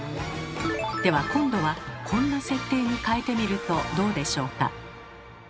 では今度はこんな設定に変えてみるとどうでしょうか？